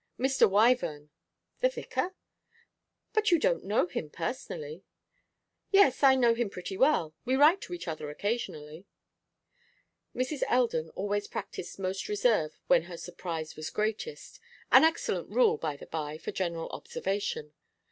'Mr. Wyvern.' 'The vicar? But you don't know him personally.' 'Yes, I know him pretty well. We write to each other occasionally.' Mrs. Eldon always practised most reserve when her surprise was greatest an excellent rule, by the by, for general observation.